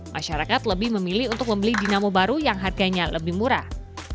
masyarakat lebih memilih untuk membeli dinamo baru yang harganya lebih murah